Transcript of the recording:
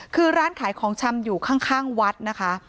คือร้านขายของชำอยู่ข้างวัดนะคะ